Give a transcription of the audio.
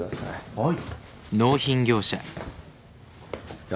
はい。